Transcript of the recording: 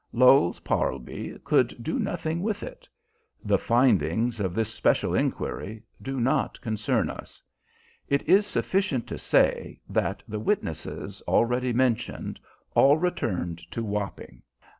Lowes Parlby could do nothing with it. The findings of this Special Inquiry do not concern us. It is sufficient to say that the witnesses already mentioned all returned to Wapping.